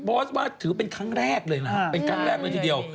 โพสต์ว่าถือเป็นครั้งแรกเลยล่ะฮะเป็นครั้งแรกเลยทีเดียว